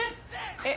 えっ？